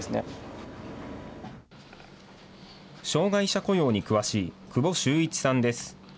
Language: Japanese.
障害者雇用に詳しい久保修一さんです。